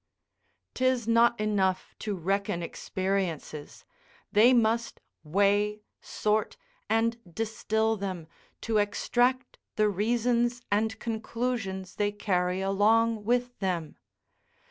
'Tis not enough to reckon experiences, they must weigh, sort and distil them, to extract the reasons and conclusions they carry along with them.